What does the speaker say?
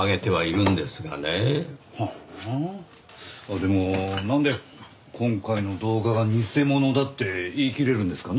でもなんで今回の動画が偽者だって言いきれるんですかね？